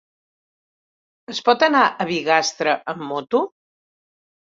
Es pot anar a Bigastre amb moto?